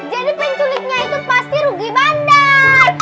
jadi penculiknya itu pasti rugi bandar